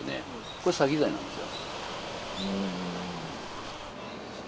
これ詐欺罪なんですよ。